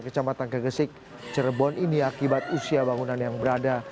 kecamatan kegesik cirebon ini akibat usia bangunan yang berada